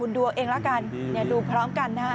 คุณดูเอาเองแล้วกันเดี๋ยวดูพร้องกันนะฮะ